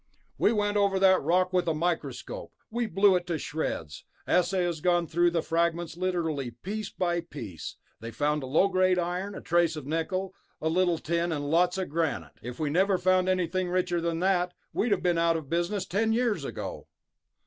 "We went over that rock with a microscope. We blew it to shreds. Assay has gone through the fragments literally piece by piece. They found low grade iron, a trace of nickel, a little tin, and lots of granite. If we never found anything richer than that, we'd have been out of business ten years ago."